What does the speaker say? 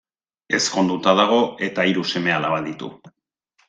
Ezkonduta dago eta hiru seme-alaba ditu.